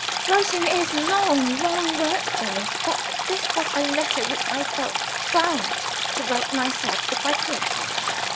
"Writing is long, long work for me. But this was a letter which I felt bound to write myself, if I could.